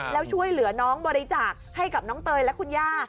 แล้วช่วยเหลือน้องบริจาคให้กับน้องเตยและคุณย่า